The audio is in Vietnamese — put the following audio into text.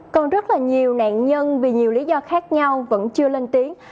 còn rất là nhiều nạn nhân vì nhiều lý do khác nhau vẫn chưa lên tiếng